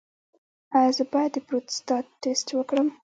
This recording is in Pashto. ایا زه باید د پروستات ټسټ وکړم؟